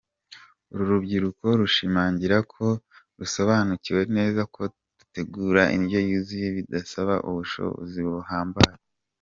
Uru rubyiruko rushimangira ko rusobanukiwe neza ko gutegura indyo yuzuye bidasaba ubushobozi buhambaye.